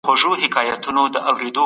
روښانه فکر ناامیدي نه پیدا کوي.